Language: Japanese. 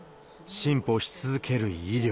進歩し続ける医療。